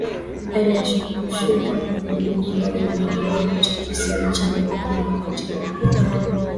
hali ya kushuka kwa theluji bado imeendelea kutikisa nchi mbalimbali na wakati huu marekani